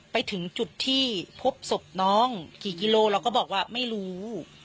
ไปถึงจุดที่พบศพน้องกี่กิโลเราก็บอกว่าไม่รู้